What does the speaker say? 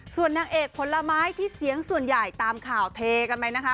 ส่วนนางเอกผลไม้ที่เสียงส่วนใหญ่ตามข่าวเทกันไปนะคะ